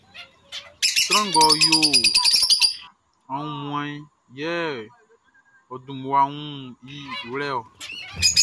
Sran ngʼɔ yo aunmuanʼn, yɛ ɔ dun mmua wun i wlɛ-ɔ.